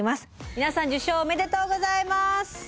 皆さん受賞おめでとうございます。